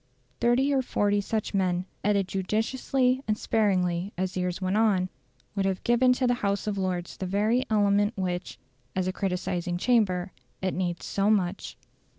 Thirty or forty such men, added judiciously and sparingly as years went on, would have given to the House of Lords the very element which, as a criticising chamber, it needs so much.